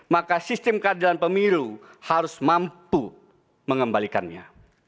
maka sistem keadilan pemilu harus mampu mengembalikannya